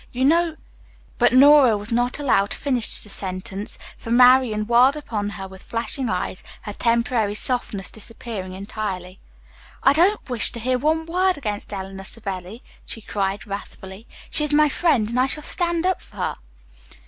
You know " But Nora was not allowed to finish the sentence, for Marian whirled upon her with flashing eyes, her temporary softness disappearing entirely. "I don't wish to hear one word against Eleanor Savelli," she cried wrathfully. "She is my friend, and I shall stand up for her."